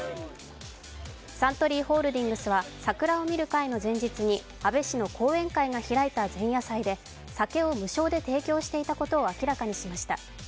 サントリーホールディングスは桜を見る会の前日に安倍氏の後援会が開いた前夜祭で酒を無償で提供していたことを明らかにしました。